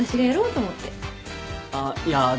あっいやでも。